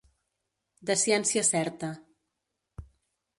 De ciència certa.